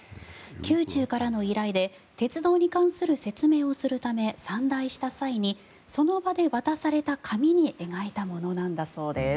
宮中からの依頼で鉄道に関する説明をするため参内した際にその場で渡された紙に描いたものなんだそうです。